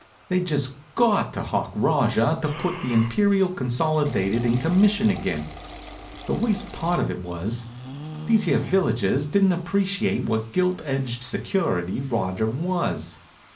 They'd just got to hock Rajah to put the Imperial Consolidated in commission again. The worst of it was, these here villagers didn't appreciate what gilt edged security Rajah was.